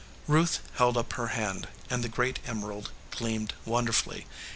Ruth held up her hand, and the great emerald gleamed wonderfully.